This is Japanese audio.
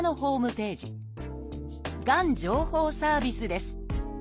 「がん情報サービス」です。